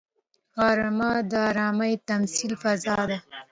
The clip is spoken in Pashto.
غرمه د ارامي تمثیلي فضا ده